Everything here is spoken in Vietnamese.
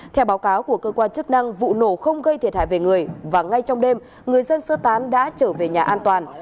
theo báo cáo của cơ quan chức năng vụ nổ không gây thiệt hại về người và ngay trong đêm người dân sơ tán đã trở về nhà an toàn